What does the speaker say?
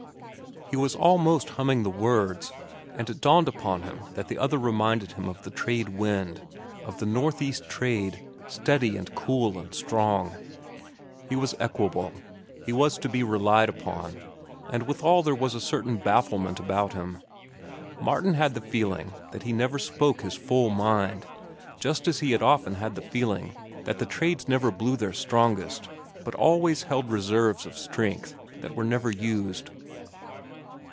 He was almost humming the words, and it dawned upon him that the other reminded him of the trade wind, of the Northeast Trade, steady, and cool, and strong. He was equable, he was to be relied upon, and withal there was a certain bafflement about him. Martin had the feeling that he never spoke his full mind, just as he had often had the feeling that the trades never blew their strongest but always held reserves of strength that were never used.